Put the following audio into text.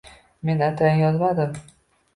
Men atayin yozmadim